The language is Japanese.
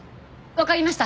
わかりました。